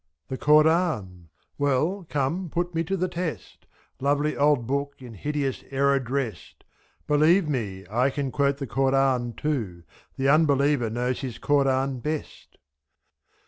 46 The Koran ! well, come put me to the test — Lovely old book in hideous error drest — ^4. Believe me, I can quote the Koran too. The unbeliever know^s his Koran best.